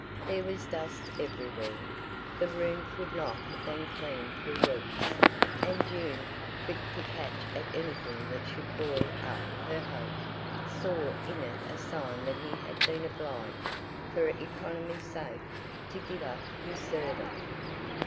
There was dust everywhere, the room could not have been cleaned for weeks, and June, quick to catch at anything that should buoy up her hope, saw in it a sign that he had been obliged, for economy's sake, to give up his servant.